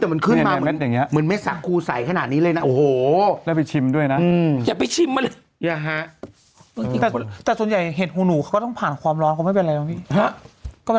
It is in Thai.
ไม่แทนสังเกตหรอบ้างพี่